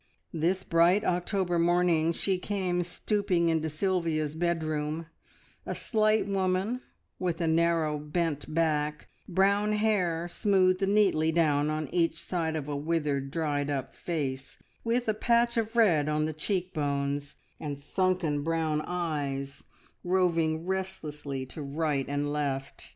This bright October morning she came stooping into Sylvia's bedroom, a slight woman with a narrow bent back, brown hair smoothed neatly down on each side of a withered, dried up face, with a patch of red on the cheek bones, and sunken brown eyes roving restlessly to right and left.